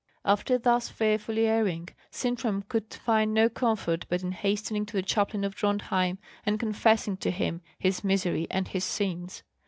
After thus fearfully erring, Sintram could find no comfort but in hastening to the chaplain of Drontheim, and confessing to him his misery and his sins.